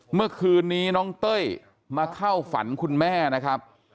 เมื่อคืนนี้น้องเต้ยมาเข้าฝันคุณแม่นะครับ